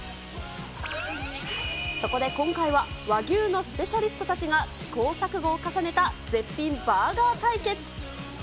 そこで今回は、和牛のスペシャリストたちが試行錯誤を重ねた絶品バーガー対決。